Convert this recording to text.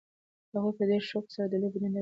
هغوی په ډېر شوق سره د لوبې ننداره کوله.